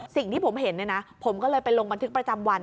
สิ่งที่ผมเห็นเนี่ยนะผมก็เลยไปลงบันทึกประจำวัน